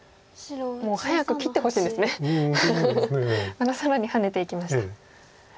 また更にハネていきました。